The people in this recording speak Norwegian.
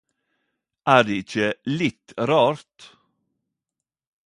Er det ikkje litt rart?